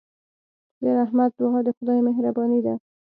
د رحمت دعا د خدای مهرباني ده.